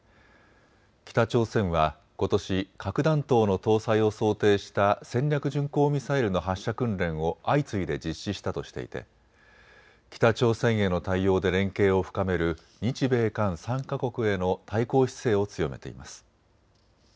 北朝鮮はことし、核弾頭の搭載を想定した戦略巡航ミサイルの発射訓練を相次いで実施したとしていて北朝鮮への対応で連携を深める日米韓３か国への対抗姿勢を強めています。